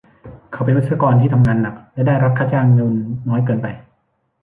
เขาเป็นวิศวกรที่ทำงานหนักและได้รับค่าจ้างเงินน้อยเกินไป